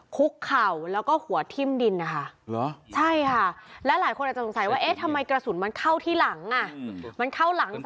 คุกเข่าแล้วก็หัวทิ่มดินนะคะ